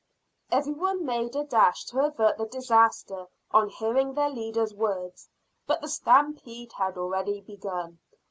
Every one made a dash to avert the disaster on hearing their leader's words, but the stampede had already begun.